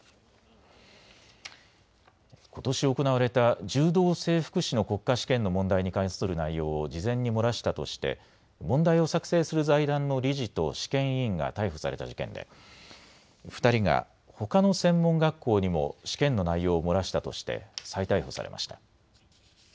ことし行われた柔道整復師の国家試験の問題に関する内容を事前に漏らしたとして問題を作成する財団の理事と試験委員が逮捕された事件で２人がほかの専門学校にも試験の内容を漏らしたとして再逮捕されました。